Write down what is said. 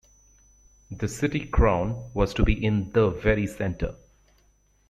The "City Crown" was to be in the very center.